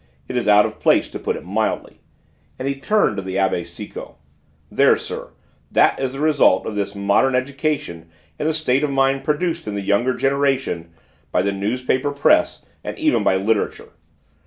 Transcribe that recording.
It is out of place, to put it mildly," and he turned to the Abbé Sicot. "There, sir, that is the result of this modern education and the state of mind produced in the younger generation by the newspaper press and even by literature.